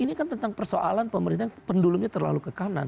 itu tentang persoalan pemerintah pendulumnya terlalu ke kanan